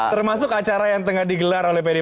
termasuk acara yang tengah digelar oleh pedi perjuangan